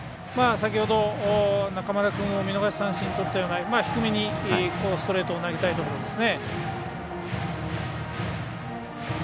先ほど、中村君を見逃し三振にとったような低めにストレートを投げたいところですね。